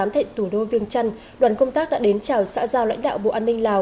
thệnh tù đô vương trăn đoàn công tác đã đến chào xã giao lãnh đạo bộ an ninh lào